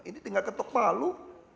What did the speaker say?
ini tinggal ketok palu